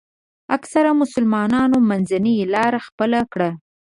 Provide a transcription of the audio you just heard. اکثرو مسلمانانو منځنۍ لاره خپله کړه.